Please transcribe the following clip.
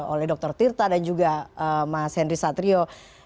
oleh dr tirta dan juga mas henry satrio